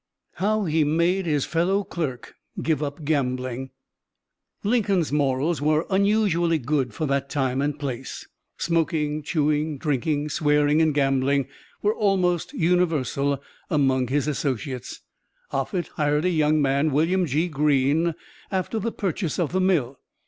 HOW HE MADE HIS FELLOW CLERK GIVE UP GAMBLING Lincoln's morals were unusually good for that time and place. Smoking, chewing, drinking, swearing and gambling were almost universal among his associates. Offutt hired a young man, William G. Greene, after the purchase of the mill.